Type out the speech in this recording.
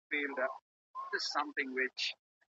ایا واړه پلورونکي کاغذي بادام صادروي؟